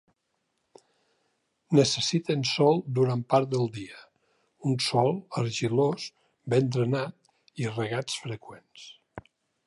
Necessiten sol durant part del dia, un sòl argilós ben drenat i regats freqüents.